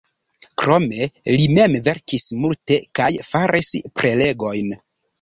Krome li mem verkis multe kaj faris prelegojn.